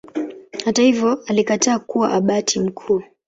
Hata hivyo alikataa kuwa Abati mkuu.